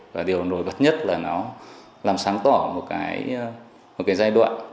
và điều nổi bật nhất là nó làm sáng tỏ một cái giai đoạn